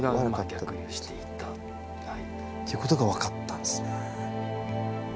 っていうことが分かったんですね。